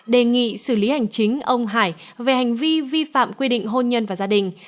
đề nghị xử lý hành chính ông hải về hành vi vi phạm quy định hôn nhân và gia đình